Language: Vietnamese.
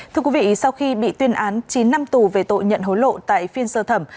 thưa quý vị sau khi bị tuyên án chín năm tù về tội nhận hối lộ tại phiên sơ thẩm